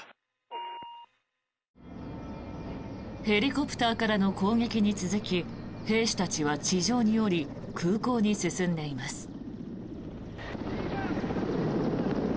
ヘリコプターからの攻撃に続き兵士たちは地上に下り空港に進んでいます。